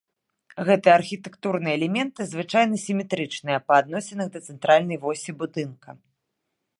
Гэтыя архітэктурныя элементы звычайна сіметрычныя па адносінах да цэнтральнай восі будынка.